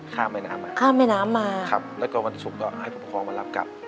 ข้ามแม่น้ำมาข้ามแม่น้ำมาครับแล้วก็วันศุกร์ก็ให้ผู้ปกครองมารับกลับ